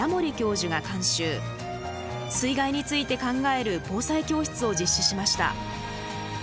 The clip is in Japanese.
水害について考える防災教室を実施しました。